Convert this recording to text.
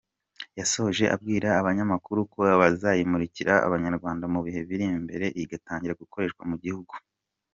Yasoje abwira abanyamakuru ko bazayimurikira abanyarwanda mu bihe biri imbere igatangira gukoreshwa mu gihugu.